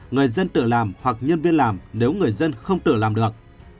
người dân tự làm hoặc nhân viên làm nếu người dân không tự làm được